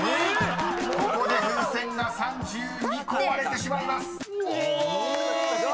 ［ここで風船が３２個割れてしまいます］え！